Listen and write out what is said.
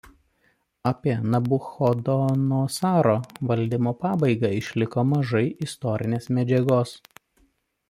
Apie Nabuchodonosaro valdymo pabaigą išliko mažai istorinės medžiagos.